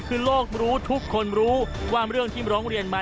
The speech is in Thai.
คือโลกรู้ทุกคนรู้ว่าเรื่องที่ร้องเรียนมา